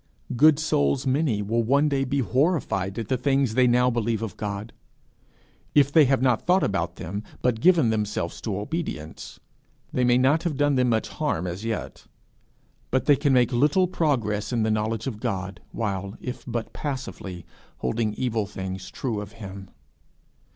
Good souls many will one day be horrified at the things they now believe of God. If they have not thought about them, but given themselves to obedience, they may not have done them much harm as yet; but they can make little progress in the knowledge of God, while, if but passively, holding evil things true of him.